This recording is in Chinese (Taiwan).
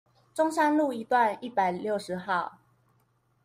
中山路一段一百六十號